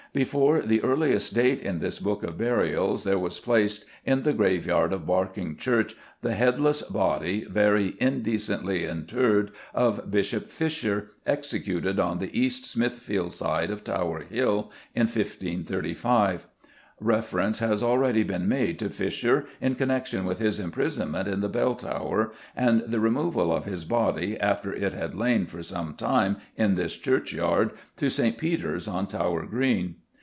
Before the earliest date in this book of burials there was placed "in the graveyard of Barking church the headless body, very indecently interred," of Bishop Fisher, executed on the East Smithfield side of Tower Hill in 1535. Reference has already been made to Fisher in connection with his imprisonment in the Bell Tower, and the removal of his body, after it had lain for some time in this churchyard, to St. Peter's, on Tower Green.